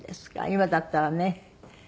今だったらね